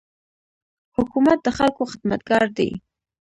حکومت د خلکو خدمتګار دی.